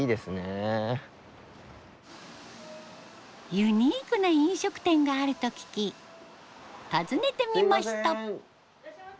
ユニークな飲食店があると聞き訪ねてみました。